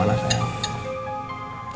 aku rasa itu bener bener penting